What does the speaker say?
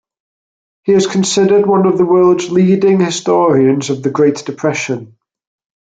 He is considered one of the world's leading historians of the Great Depression.